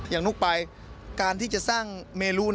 อย่างนุ๊กปลายการที่จะสร้างเมรุ